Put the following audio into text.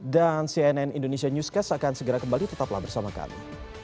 dan cnn indonesia newscast akan segera kembali tetaplah bersama kami